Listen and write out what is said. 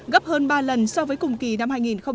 gấp hơn ba lần so với cùng kỳ năm hai nghìn một mươi tám